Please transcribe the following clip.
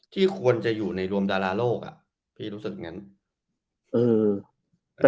ที่ควรจะอยู่ในรวมดาลาโลกอะพี่รู้สึกยังไง